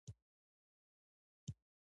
ماريا وويل زه به ځم.